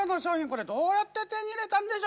これどうやって手に入れたんでしょうか？